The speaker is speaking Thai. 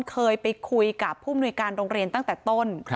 เคยไปคุยกับผู้มนุยการโรงเรียนตั้งแต่ต้น